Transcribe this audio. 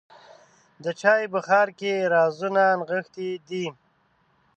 د چای بخار کې رازونه نغښتي دي.